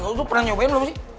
lutu pernah nyobain belum sih